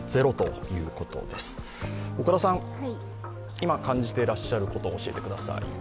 今感じていらっしゃることを教えてください。